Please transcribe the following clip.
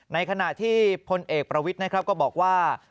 ในขณะที่พลเอกประวิทย์นะครับก็บอกว่า